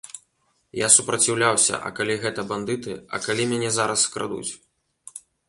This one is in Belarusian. Я супраціўляўся, а калі гэта бандыты, а калі мяне зараз скрадуць?